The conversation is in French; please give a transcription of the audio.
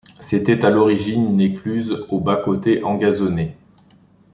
C'était à l'origine une écluse aux bas-côtés engazonnés.